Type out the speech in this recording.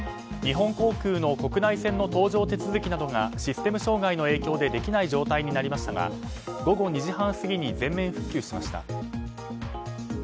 日本航空の国内線の搭乗手続きなどがシステム障害の影響でできない状態になりましたが午後２時半過ぎに全面復旧しました。